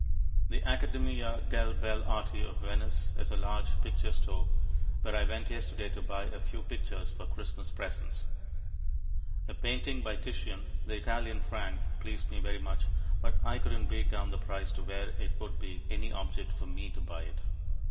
The Accademia delle Belle Arti of Venice is a large picture store where I went yesterday to buy a few pictures for Christmas presents. A painting by Titian, the Italian Prang, pleased me very much, but I couldn't beat down the price to where it would be any object for me to buy it.